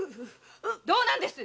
どうなんです！